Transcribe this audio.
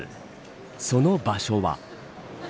その場所は。